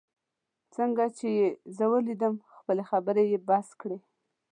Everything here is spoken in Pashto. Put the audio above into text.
څنګه چي یې زه ولیدم، خپلې خبرې یې بس کړې.